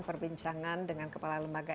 perbincangan dengan kepala lembaga